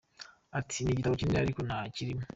Ati "ni igitabo kinini ariko nta kirimo.